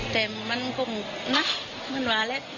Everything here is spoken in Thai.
แต่มันคงน่ะมันว่าแล้ว